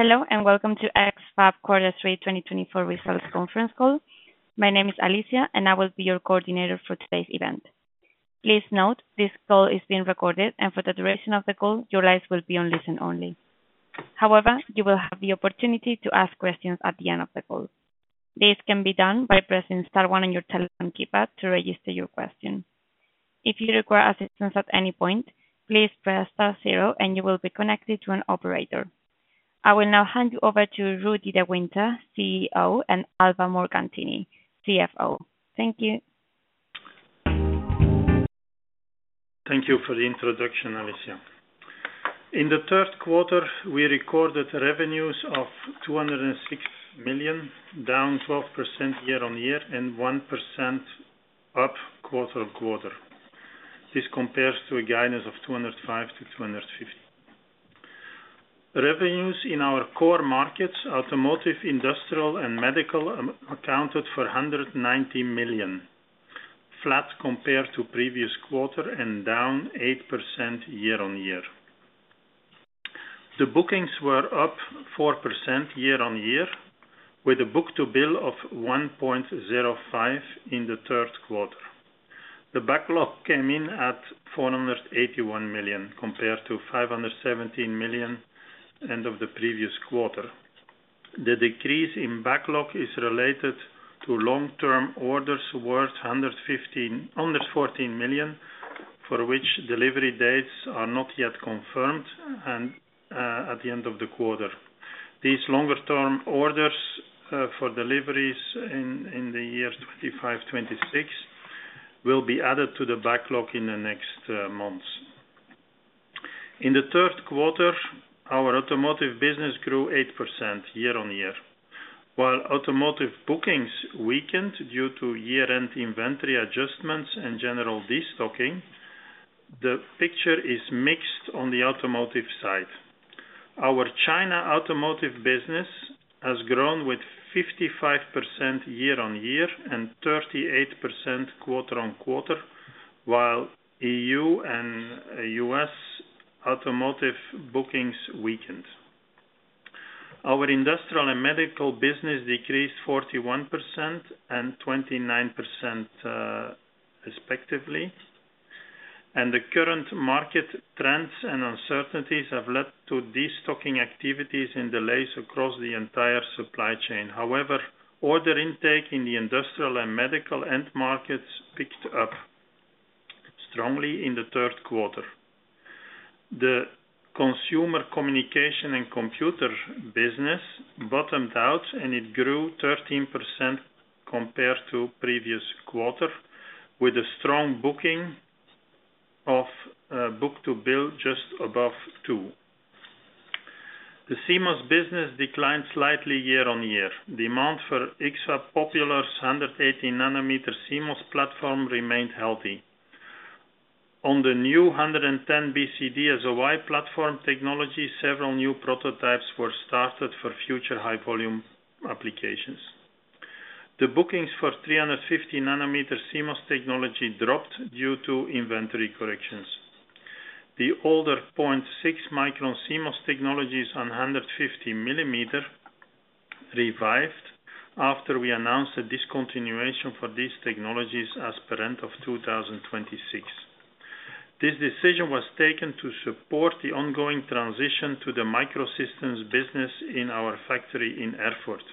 Hello, and welcome to X-FAB Quarter Three 2024 Results Conference Call. My name is Alicia, and I will be your coordinator for today's event. Please note, this call is being recorded, and for the duration of the call, your lines will be on listen only. However, you will have the opportunity to ask questions at the end of the call. This can be done by pressing star one on your telephone keypad to register your question. If you require assistance at any point, please press star zero and you will be connected to an operator. I will now hand you over to Rudi De Winter, CEO, and Alba Morganti, CFO. Thank you. Thank you for the introduction, Alicia. In the third quarter, we recorded revenues of $206 million, down 12% year-on-year and 1% up quarter on quarter. This compares to a guidance of $205 million-$250 million. Revenues in our core markets, automotive, industrial, and medical, accounted for $190 million, flat compared to previous quarter and down 8% year-on-year. The bookings were up 4% year-on-year, with a book-to-bill of 1.05 in the third quarter. The backlog came in at $481 million, compared to $517 million end of the previous quarter. The decrease in backlog is related to long-term orders worth $114 million, for which delivery dates are not yet confirmed and at the end of the quarter. These longer term orders for deliveries in the year 2025, 2026, will be added to the backlog in the next months. In the third quarter, our automotive business grew 8% year-on-year. While automotive bookings weakened due to year-end inventory adjustments and general destocking, the picture is mixed on the automotive side. Our China automotive business has grown with 55% year-on-year and 38% quarter-on-quarter, while EU and U.S. automotive bookings weakened. Our industrial and medical business decreased 41% and 29%, respectively, and the current market trends and uncertainties have led to destocking activities and delays across the entire supply chain. However, order intake in the industrial and medical end markets picked up strongly in the third quarter. The consumer communication and computer business bottomed out, and it grew 13% compared to previous quarter, with a strong booking of book-to-bill just above two. The CMOS business declined slightly year-on-year. Demand for X-FAB's popular 180 nm CMOS platform remained healthy. On the new 110 BCD SOI platform technology, several new prototypes were started for future high volume applications. The bookings for 350 nm CMOS technology dropped due to inventory corrections. The older 0.6-micron CMOS technologies on 150 mm revived after we announced a discontinuation for these technologies as per end of 2026. This decision was taken to support the ongoing transition to the microsystems business in our factory in Erfurt.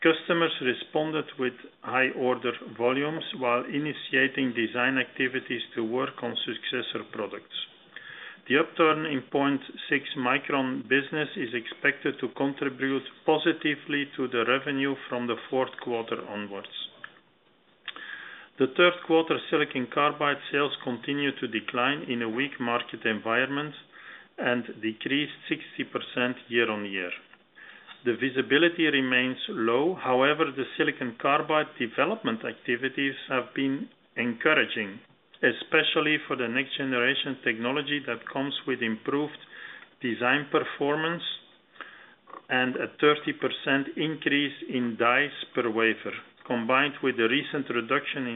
Customers responded with high order volumes while initiating design activities to work on successor products. The upturn in 0.6-micron business is expected to contribute positively to the revenue from the fourth quarter onwards. The third quarter silicon carbide sales continued to decline in a weak market environment and decreased 60% year-on-year. The visibility remains low. However, the silicon carbide development activities have been encouraging, especially for the next generation technology that comes with improved design performance and a 30% increase in die per wafer. Combined with the recent reduction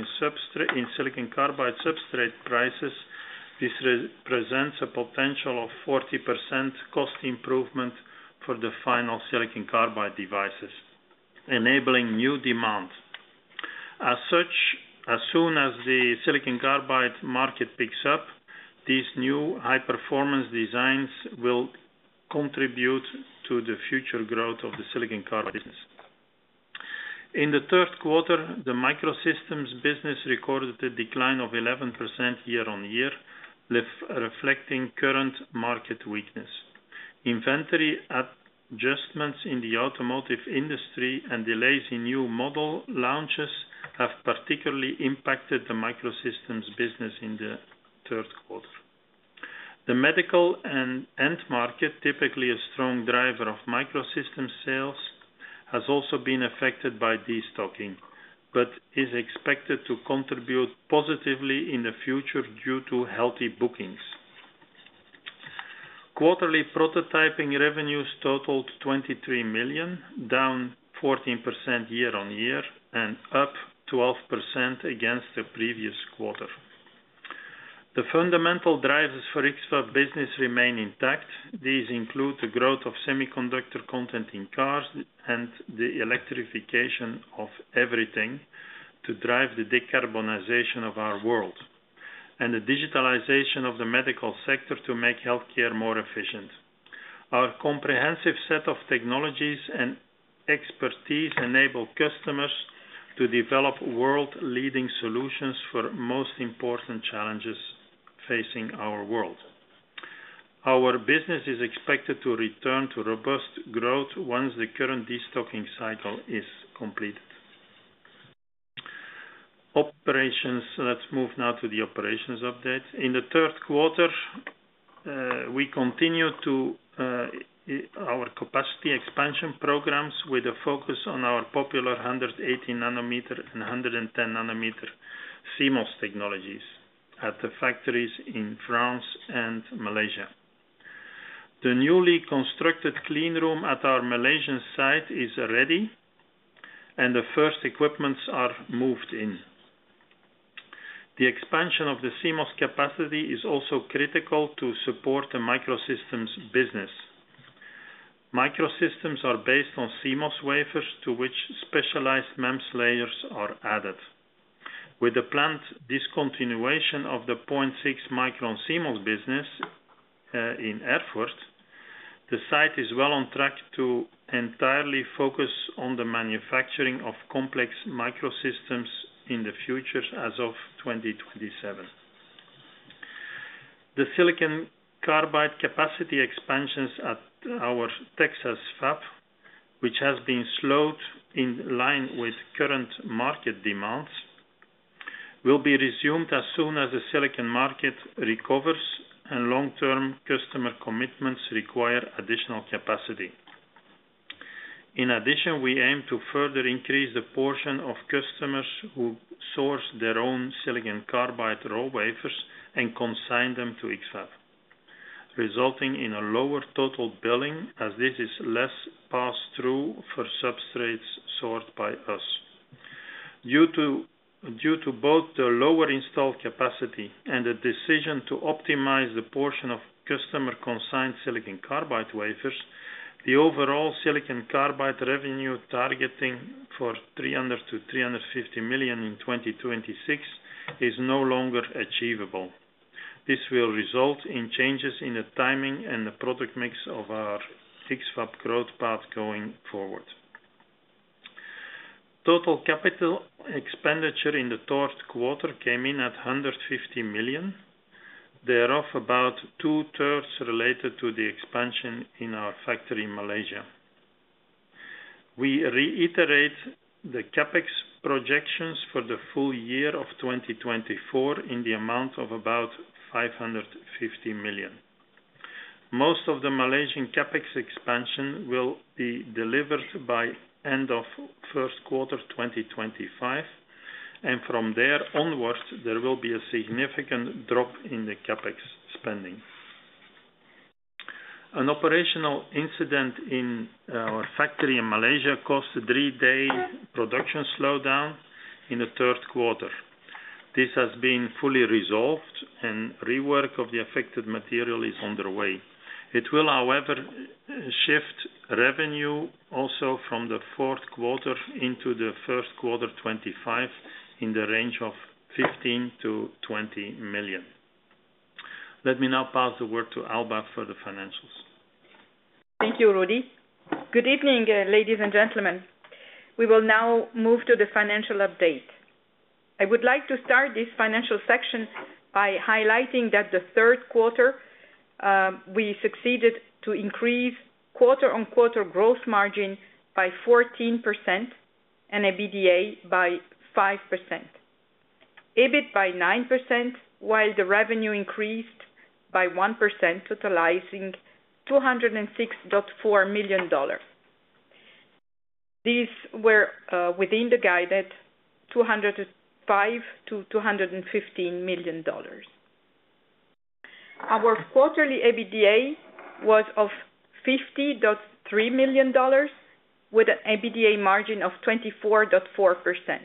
in silicon carbide substrate prices, this represents a potential of 40% cost improvement for the final silicon carbide devices, enabling new demand. As such, as soon as the silicon carbide market picks up, these new high performance designs will contribute to the future growth of the silicon carbide business. In the third quarter, the microsystems business recorded a decline of 11% year-on-year, reflecting current market weakness. Inventory adjustments in the automotive industry and delays in new model launches have particularly impacted the microsystems business in the third quarter. The medical end market, typically a strong driver of microsystems sales, has also been affected by destocking, but is expected to contribute positively in the future due to healthy bookings. Quarterly prototyping revenues totaled $23 million, down 14% year-on-year and up 12% against the previous quarter.... The fundamental drivers for X-FAB business remain intact. These include the growth of semiconductor content in cars and the electrification of everything, to drive the decarbonization of our world, and the digitalization of the medical sector to make healthcare more efficient. Our comprehensive set of technologies and expertise enable customers to develop world-leading solutions for most important challenges facing our world. Our business is expected to return to robust growth once the current destocking cycle is completed. Operations. Let's move now to the operations update. In the third quarter, we continued to our capacity expansion programs with a focus on our popular 180 nm and 110 nm CMOS technologies at the factories in France and Malaysia. The newly constructed cleanroom at our Malaysian site is ready, and the first equipment is moved in. The expansion of the CMOS capacity is also critical to support the microsystems business. Microsystems are based on CMOS wafers, to which specialized MEMS layers are added. With the planned discontinuation of the 0.6-micron CMOS business in Erfurt, the site is well on track to entirely focus on the manufacturing of complex microsystems in the future, as of 2027. The silicon carbide capacity expansions at our Texas fab, which has been slowed in line with current market demands, will be resumed as soon as the silicon market recovers and long-term customer commitments require additional capacity. In addition, we aim to further increase the portion of customers who source their own silicon carbide raw wafers and consign them to X-FAB, resulting in a lower total billing as this is less pass-through for substrates sourced by us. Due to both the lower installed capacity and the decision to optimize the portion of customer-consigned silicon carbide wafers, the overall silicon carbide revenue targeting for $300 million-$350 million in 2026 is no longer achievable. This will result in changes in the timing and the product mix of our X-FAB growth path going forward. Total capital expenditure in the third quarter came in at $150 million. Thereof, about two-thirds related to the expansion in our factory in Malaysia. We reiterate the CapEx projections for the full year of 2024, in the amount of about $550 million. Most of the Malaysian CapEx expansion will be delivered by end of first quarter 2025, and from there onwards, there will be a significant drop in the CapEx spending. An operational incident in our factory in Malaysia caused a three-day production slowdown in the third quarter. This has been fully resolved, and rework of the affected material is underway. It will, however, shift revenue also from the fourth quarter into the first quarter 2025, in the range of $15 million-$20 million. Let me now pass the word to Alba for the financials. Thank you, Rudi. Good evening, ladies and gentlemen. We will now move to the financial update. I would like to start this financial section by highlighting that the third quarter, we succeeded to increase quarter-on-quarter gross margin by 14% and EBITDA by 5%, EBIT by 9%, while the revenue increased by 1%, totalizing $206.4 million. These were, within the guided $205 million-$215 million. Our quarterly EBITDA was of $50.3 million, with an EBITDA margin of 24.4%.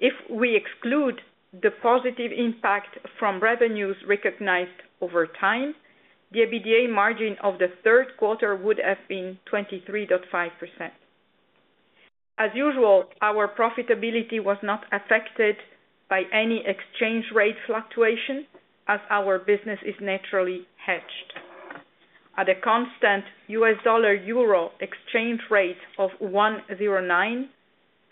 If we exclude the positive impact from revenues recognized over time, the EBITDA margin of the third quarter would have been 23.5%. As usual, our profitability was not affected by any exchange rate fluctuation, as our business is naturally hedged. At a constant US dollar-euro exchange rate of $1.09,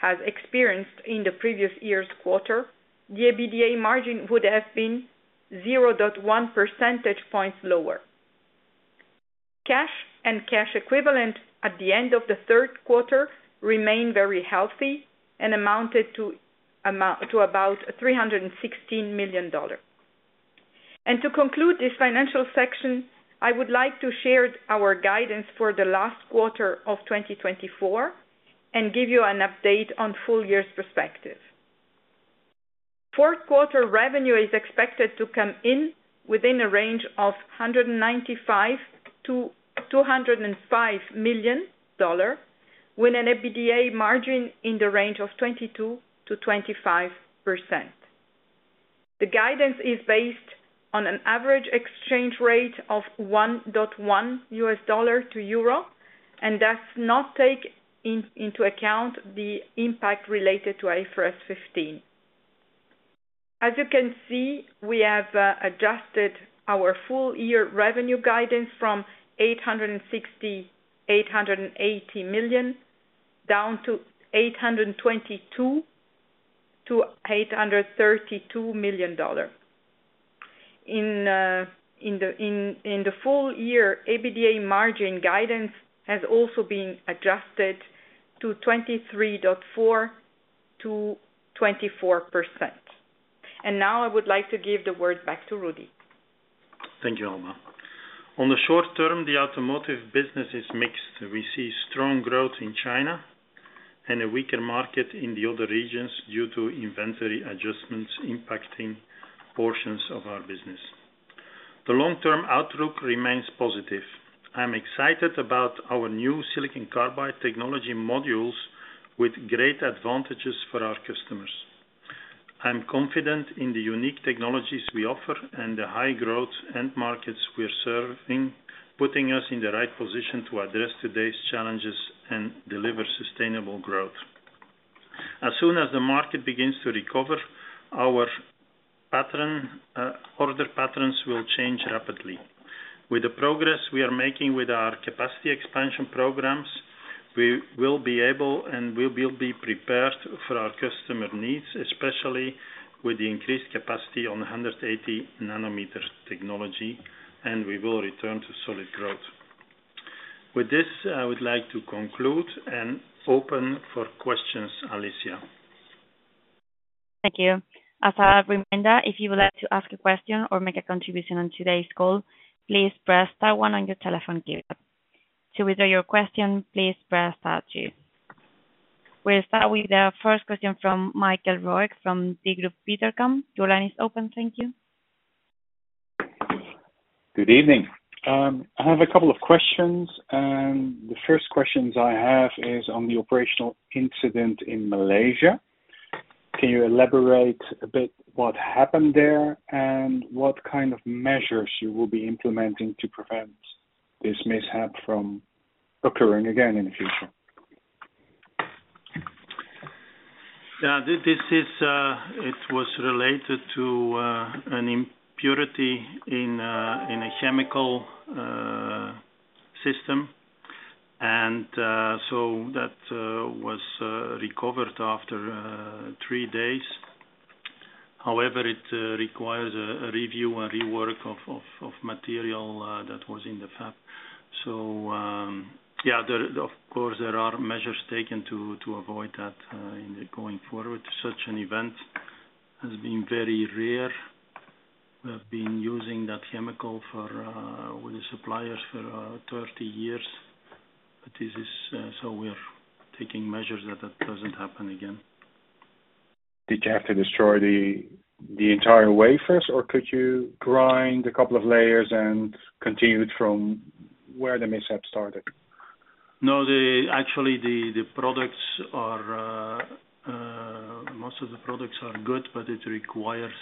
as experienced in the previous year's quarter, the EBITDA margin would have been 0.1 percentage points lower. Cash and cash equivalent at the end of the third quarter remained very healthy and amounted to about $316 million. To conclude this financial section, I would like to share our guidance for the last quarter of 2024 and give you an update on full-year perspective. Fourth quarter revenue is expected to come in within a range of $195 million-$205 million with an EBITDA margin in the range of 22%-25%. The guidance is based on an average exchange rate of $1.1 to euro, and does not take into account the impact related to IFRS 15. As you can see, we have adjusted our full-year revenue guidance from $860 million-$880 million down to $822 million-$832 million. In the full year, EBITDA margin guidance has also been adjusted to 23.4%-24%. Now I would like to give the word back to Rudi. Thank you, Alba. On the short term, the automotive business is mixed. We see strong growth in China and a weaker market in the other regions due to inventory adjustments impacting portions of our business. The long-term outlook remains positive. I'm excited about our new silicon carbide technology modules with great advantages for our customers. I'm confident in the unique technologies we offer and the high growth end markets we're serving, putting us in the right position to address today's challenges and deliver sustainable growth. As soon as the market begins to recover, our pattern, order patterns will change rapidly. With the progress we are making with our capacity expansion programs, we will be able and we will be prepared for our customer needs, especially with the increased capacity on 180 nm technology, and we will return to solid growth. With this, I would like to conclude and open for questions, Alicia. Thank you. As a reminder, if you would like to ask a question or make a contribution on today's call, please press star one on your telephone keypad. To withdraw your question, please press star two. We'll start with the first question from Michael Roeg, from Degroof Petercam. Your line is open, thank you. Good evening. I have a couple of questions, and the first questions I have is on the operational incident in Malaysia. Can you elaborate a bit what happened there, and what kind of measures you will be implementing to prevent this mishap from occurring again in the future? Yeah, it was related to an impurity in a chemical system, and so that was recovered after three days. However, it requires a review and rework of material that was in the fab, so yeah, of course, there are measures taken to avoid that in the going forward. Such an event has been very rare. We have been using that chemical for with the suppliers for 30 years, but this is so we're taking measures that doesn't happen again. Did you have to destroy the entire wafers, or could you grind a couple of layers and continued from where the mishap started? No. Actually, most of the products are good, but it requires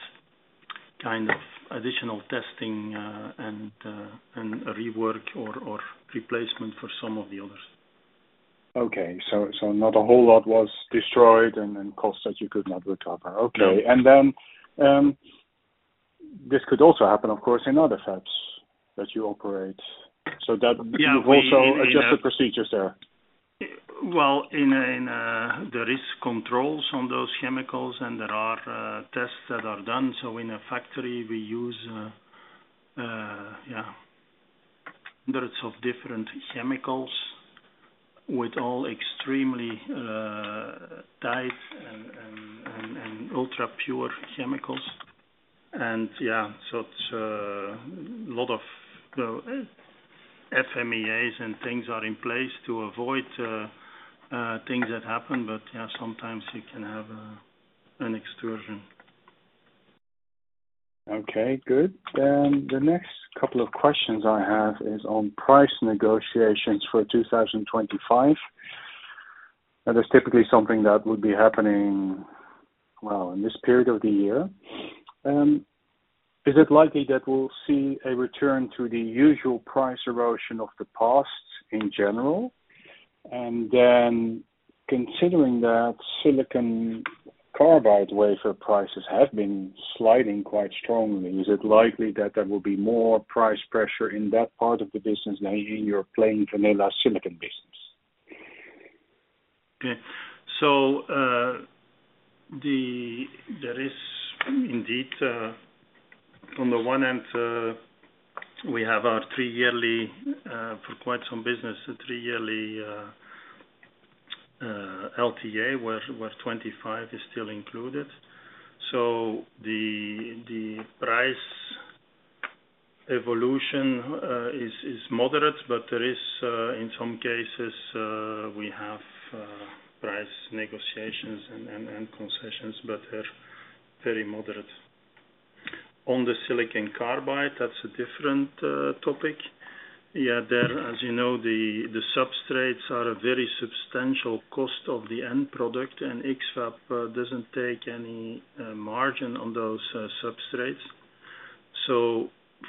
kind of additional testing, and a rework or replacement for some of the others. Okay. So not a whole lot was destroyed and then costs that you could not recover. Okay. And then, this could also happen, of course, in other fabs that you operate. So that- Yeah, we... You've also adjusted procedures there? There are controls on those chemicals, and there are tests that are done. In a factory we use yeah hundreds of different chemicals with all extremely tight and ultra-pure chemicals. Yeah, so it's a lot of, you know, FMEAs and things are in place to avoid things that happen, but yeah, sometimes you can have an excursion. Okay, good. Then the next couple of questions I have is on price negotiations for 2025 That is typically something that would be happening, well, in this period of the year. Is it likely that we'll see a return to the usual price erosion of the past, in general? Then considering that silicon carbide wafer prices have been sliding quite strongly, is it likely that there will be more price pressure in that part of the business than in your plain vanilla silicon business? Okay. There is indeed, on the one hand, we have our three yearly, for quite some business, a three yearly LTA, where 2025 is still included. So the price evolution is moderate, but there is, in some cases, we have price negotiations and concessions, but they're very moderate. On the silicon carbide, that's a different topic. Yeah, as you know, the substrates are a very substantial cost of the end product, and X-FAB doesn't take any margin on those substrates.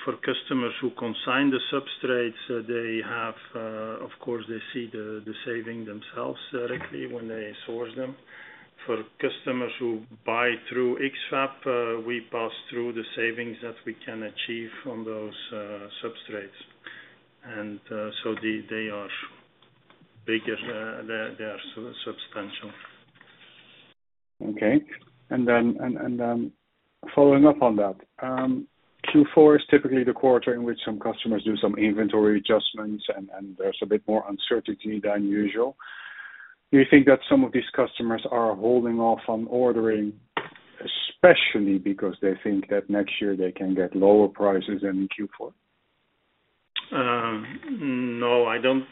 For customers who consign the substrates, they have, of course, they see the savings themselves directly when they source them. For customers who buy through X-FAB, we pass through the savings that we can achieve on those substrates. So they are bigger. They are substantial. Okay. Then, following up on that, Q4 is typically the quarter in which some customers do some inventory adjustments, and there's a bit more uncertainty than usual. Do you think that some of these customers are holding off on ordering, especially because they think that next year they can get lower prices than in Q4? No, I don't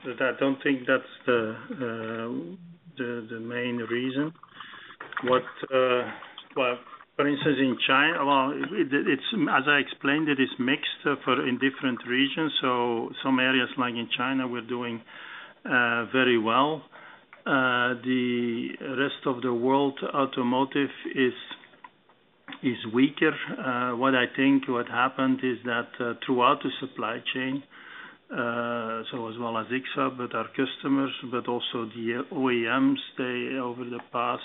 think that's the main reason. Well, for instance, in China, well, it's, as I explained, it is mixed in different regions, so some areas, like in China, we're doing very well. The rest of the world, automotive is weaker. What I think happened is that, throughout the supply chain, so as well as X-FAB, but our customers, but also the OEMs, they over the past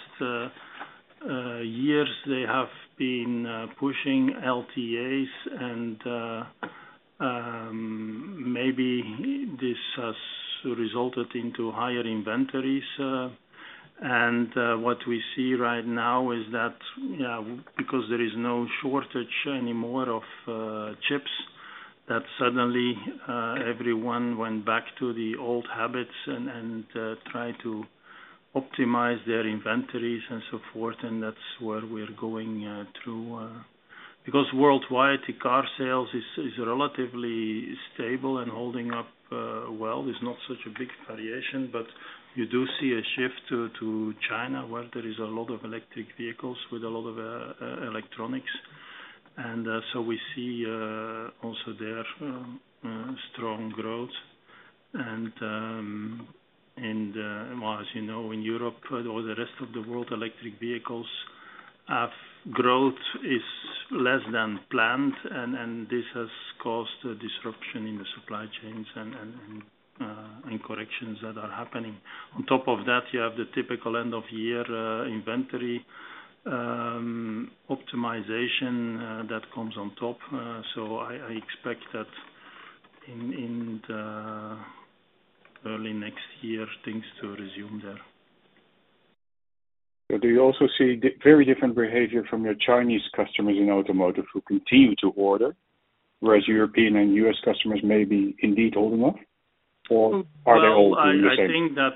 years, they have been pushing LTAs and maybe this has resulted in higher inventories. What we see right now is that, yeah, because there is no shortage anymore of chips, that suddenly everyone went back to the old habits and try to optimize their inventories and so forth, and that's where we're going through. Because worldwide, the car sales is relatively stable and holding up well, is not such a big variation, but you do see a shift to China, where there is a lot of electric vehicles with a lot of electronics, and so we see also there strong growth, and well, as you know, in Europe or the rest of the world, electric vehicles growth is less than planned, and this has caused a disruption in the supply chains and corrections that are happening. On top of that, you have the typical end-of-year inventory optimization that comes on top. So I expect that in the early next year, things to resume there. Do you also see very different behavior from your Chinese customers in automotive who continue to order, whereas European and U.S. customers may be indeed holding off, or are they holding the same? I think the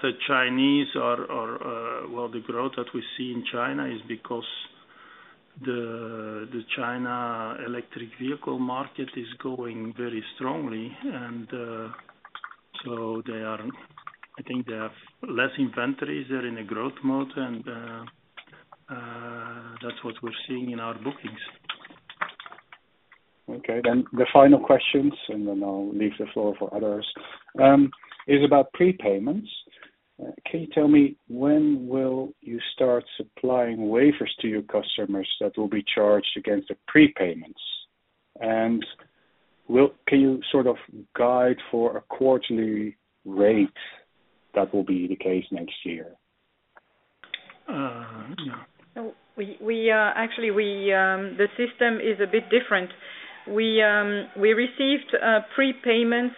growth that we see in China is because the China electric vehicle market is going very strongly, and I think they have less inventories. They're in a growth mode, and that's what we're seeing in our bookings. Okay, then the final questions, and then I'll leave the floor for others, is about prepayments. Can you tell me, when will you start supplying wafers to your customers that will be charged against the prepayments? Can you sort of guide for a quarterly rate that will be the case next year? Actually, the system is a bit different. We received prepayments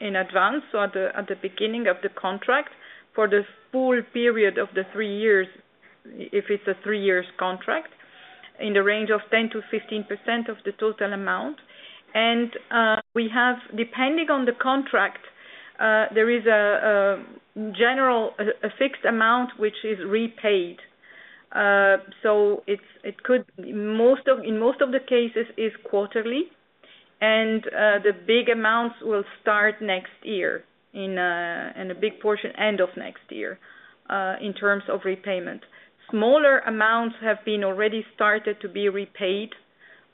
in advance, so at the beginning of the contract, for the full period of the three years, if it's a three years contract, in the range of 10%-15% of the total amount. And we have, depending on the contract, there is a general, a fixed amount which is repaid. In most of the cases, it's quarterly, and the big amounts will start next year, and a big portion end of next year, in terms of repayment. Smaller amounts have been already started to be repaid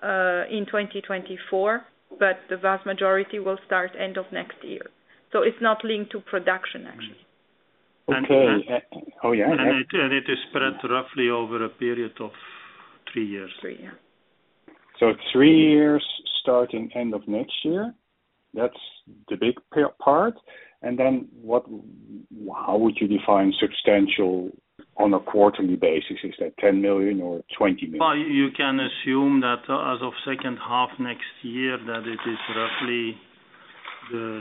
in 2024, but the vast majority will start end of next year. So it's not linked to production actually. Okay. Oh, yeah. It is spread roughly over a period of three years. Three years. So three years starting end of next year, that's the big part? How would you define substantial on a quarterly basis? Is that $10 million or $20 million? You can assume that as of second half next year, that it is roughly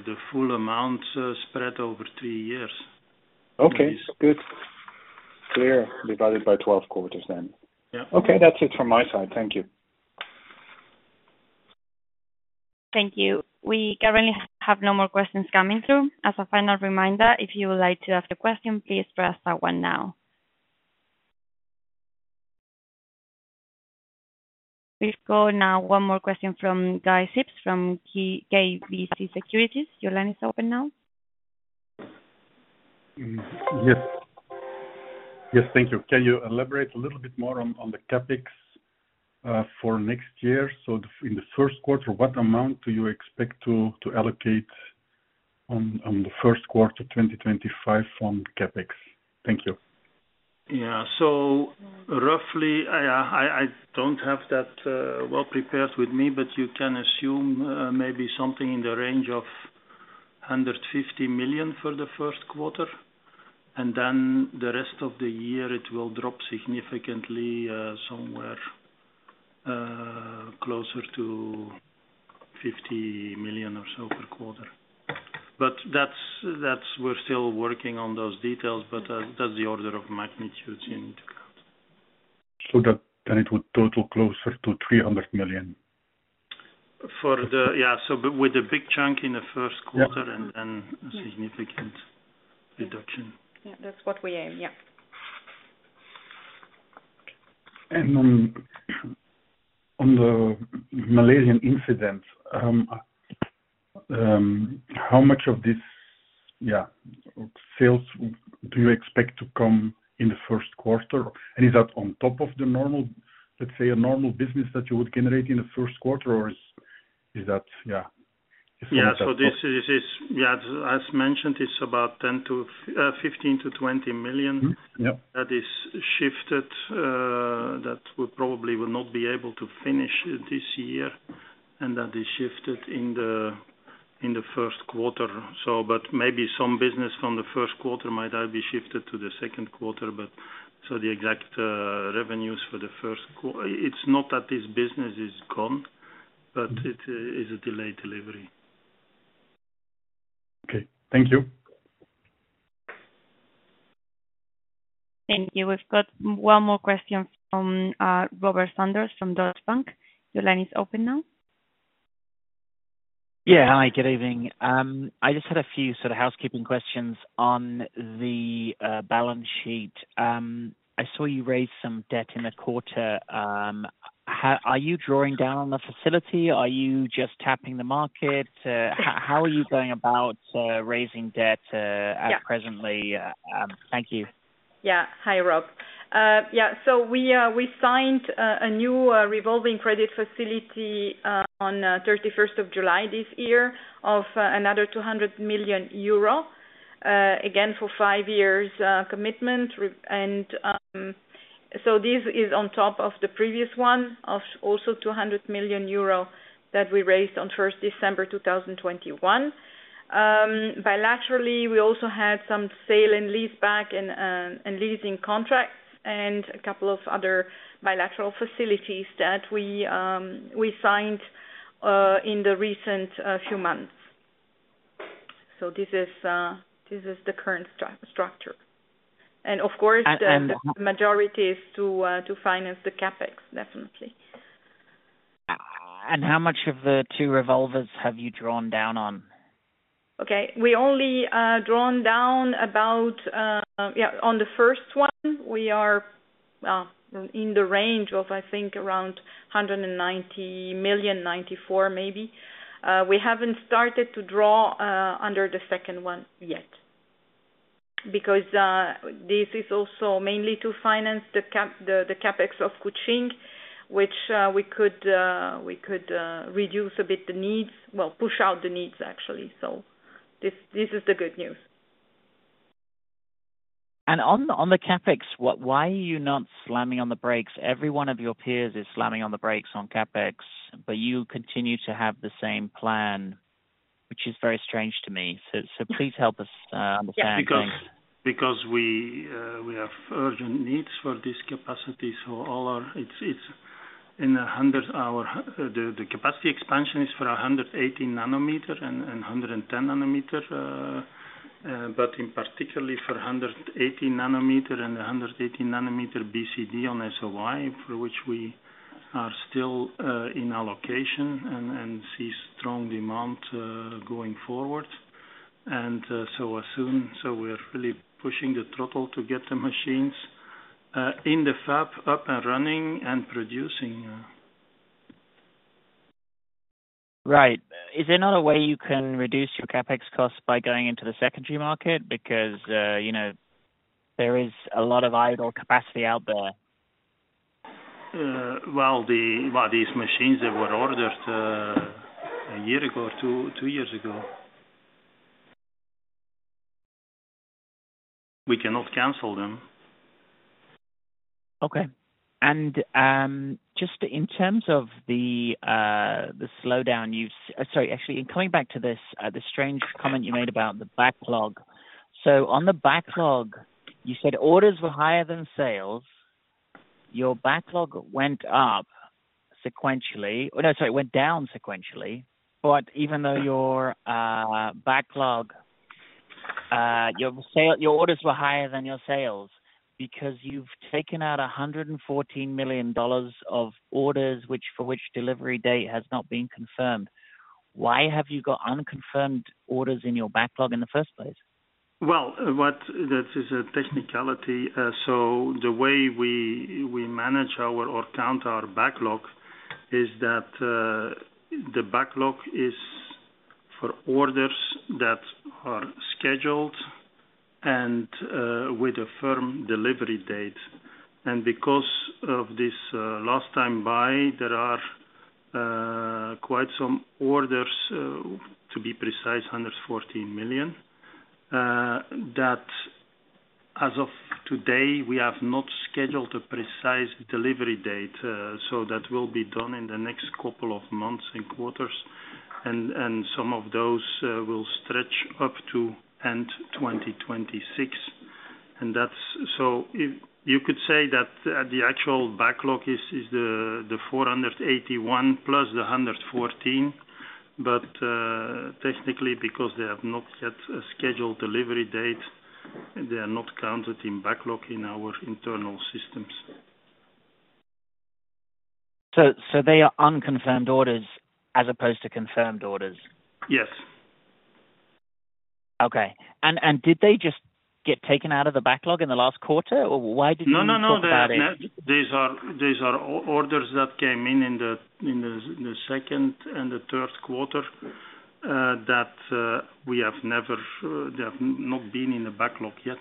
the full amount spread over three years. Okay, good. Clear. Divided by 12 quarters then. Yeah. Okay, that's it from my side. Thank you. Thank you. We currently have no more questions coming through. As a final reminder, if you would like to ask a question, please press star one now. We'll go now one more question from Guy Sips from KBC Securities. Your line is open now. Yes, thank you. Can you elaborate a little bit more on the CapEx for next year? So in the first quarter, what amount do you expect to allocate on the first quarter, 2025 on CapEx? Thank you. Yeah. So roughly, I don't have that well prepared with me, but you can assume maybe something in the range of $150 million for the first quarter, and then the rest of the year, it will drop significantly, somewhere closer to $50 million or so per quarter. But that's. We're still working on those details, but that's the order of magnitudes in total. So that, then it would total closer to $300 million? Yeah, so but with a big chunk in the first quarter and then a significant reduction. Yeah, that's what we aim, yeah. On the Malaysian incident, how much of this, yeah, sales do you expect to come in the first quarter? And is that on top of the normal, let's say, a normal business that you would generate in the first quarter, or is that, yeah? Yeah, so this is, as mentioned, it's about $15 million-$20 million. That is shifted, that would probably will not be able to finish this year, and that is shifted in the first quarter. So but maybe some business from the first quarter might now be shifted to the second quarter, but so the exact revenues for the first quarter, it's not that this business is gone, but it is a delayed delivery. Okay. Thank you. Thank you. We've got one more question from Robert Sanders from Deutsche Bank. The line is open now. Yeah. Hi, good evening. I just had a few sort of housekeeping questions on the balance sheet. I saw you raise some debt in the quarter. Are you drawing down on the facility? Are you just tapping the market? How are you going about raising debt at present? Thank you. Yeah. Hi, Rob. Yeah, so we signed a new revolving credit facility on thirty-first of July this year, of another 200 million euro, again, for five years, commitment fee, and so this is on top of the previous one, of also 200 million euro that we raised on first December 2021. Bilaterally, we also had some sale-and-leaseback and leasing contracts and a couple of other bilateral facilities that we signed in the recent few months. So this is the current structure. Of course the majority is to finance the CapEx, definitely. How much of the two revolvers have you drawn down on? Okay. We only drawn down about, on the first one, we are in the range of, I think, around $190 million, $194 million maybe. We haven't started to draw under the second one yet. Because this is also mainly to finance the CapEx of Kuching, which we could reduce a bit, the needs, well, push out the needs, actually. So this is the good news. On the CapEx, what, why are you not slamming on the brakes? Every one of your peers is slamming on the brakes on CapEx, but you continue to have the same plan, which is very strange to me. So please help us understand. Because we have urgent needs for this capacity. So all our - it's in Erfurt, the capacity expansion is for 180-nanometer and 110 nm, but in particular for 180 nm and 180 nm BCD on SOI, for which we are still in allocation and see strong demand going forward. So we're really pushing the throttle to get the machines in the fab up and running and producing, yeah. Right. Is there not a way you can reduce your CapEx costs by going into the secondary market? Because, you know, there is a lot of idle capacity out there. These machines, they were ordered a year ago, two years ago. We cannot cancel them. Okay. Sorry, actually, coming back to this, the strange comment you made about the backlog. So on the backlog, you said orders were higher than sales. Your backlog went up sequentially. Oh, no, sorry, it went down sequentially. But even though your backlog, your sale, your orders were higher than your sales, because you've taken out $114 million of orders, for which delivery date has not been confirmed, why have you got unconfirmed orders in your backlog in the first place? That is a technicality. So the way we manage or count our backlog is that the backlog is for orders that are scheduled and with a firm delivery date. And because of this last-time-buy, there are quite some orders, to be precise, $114 million, that as of today, we have not scheduled a precise delivery date. So that will be done in the next couple of months and quarters, and some of those will stretch up to end 2026. And that's so you could say that the actual backlog is the $481+ million the $114 million. But technically, because they have not yet a scheduled delivery date, they are not counted in backlog in our internal systems. So, they are unconfirmed orders as opposed to confirmed orders? Yes. Okay. And, and did they just get taken out of the backlog in the last quarter, or why did you not talk about it? No, no, no. These are orders that came in in the second and the third quarter that we have never, they have not been in the backlog yet.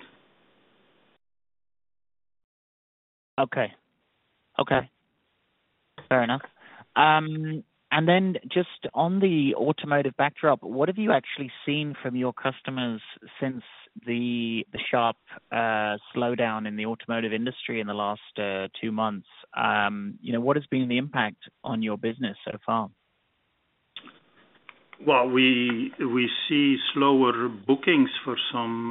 Okay, fair enough. And then just on the automotive backdrop, what have you actually seen from your customers since the sharp slowdown in the automotive industry in the last two months? What has been the impact on your business so far? We see slower bookings for some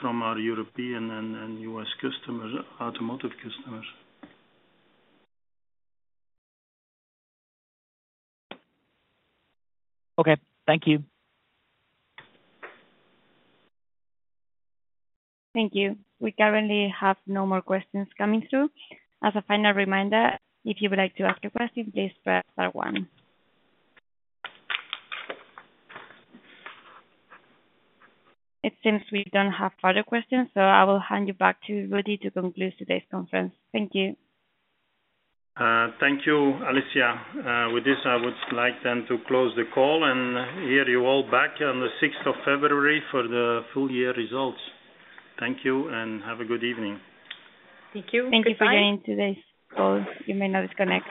from our European and U.S. customers, automotive customers. Okay, thank you. Thank you. We currently have no more questions coming through. As a final reminder, if you would like to ask a question, please press star one. It seems we don't have further questions, so I will hand you back to Rudi to conclude today's conference. Thank you. Thank you, Alicia. With this, I would like then to close the call and hear you all back on the 6th of February for the full year results. Thank you, and have a good evening. Thank you. Good night. Thank you for joining today's call. You may now disconnect.